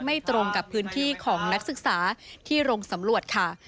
ตรงกับพื้นที่ของนักศึกษาที่ลงสำรวจค่ะ